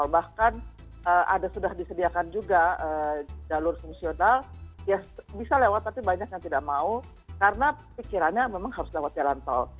bahkan ada sudah disediakan juga jalur fungsional ya bisa lewat tapi banyak yang tidak mau karena pikirannya memang harus lewat jalan tol